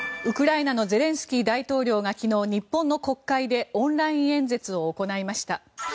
ウクライナのゼレンスキー大統領が昨日、日本の国会でオンライン演説を行いました。